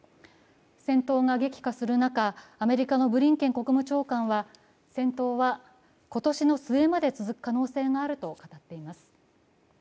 戦闘が激化する中、アメリカのブリンケン国務長官は戦闘は今年の末まで続く可能性があると語っています。